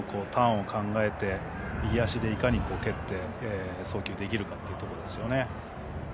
とりながら次のターンを考えて右足でいかに蹴って送球できるかというところです。